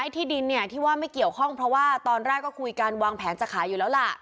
ที่ดินที่ว่าไม่เกี่ยวข้องเพราะว่าตอนแรกก็คุยกันวางแผนจะขายอยู่แล้วล่ะ